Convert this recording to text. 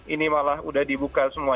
ini malah udah dibuka semua